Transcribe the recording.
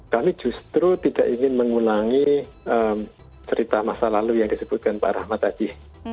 kami justru tidak ingin mengulangi cerita masa lalu yang disebutkan pak rahmat tadi